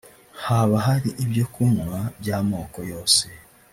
Haba hari ibyo kunywa by'amoko yose